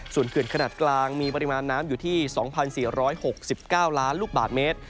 ส่วนเขื่อนขนาดกลางมีปริมาณน้ำอยู่ที่๒๔๖๙ล้านลูกบาทเมตร